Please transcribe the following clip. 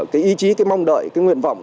cái ý chí cái mong đợi cái nguyện vọng